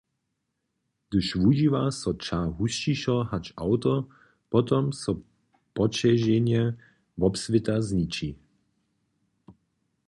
Hdyž wužiwa so ćah husćišo hač awto, potom so poćeženje wobswěta zniži.